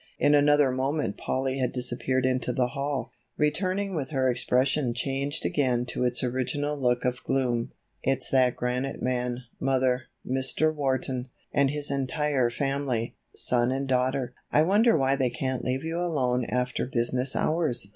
In another moment Polly had disappeared into the hall, returning with her expression changed again to its original look of gloom. "It's that granite man, mother, Mr. Wharton, with his entire family, son and daughter. I wonder why they can't leave you alone after business hours?